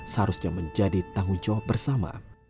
seharusnya menjadi tanggung jawab bersama